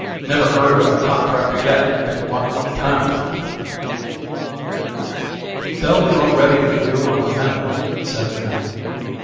Never heard of a contractor yet didn't want more time." "They'll be all ready for you on the minute," said Jim.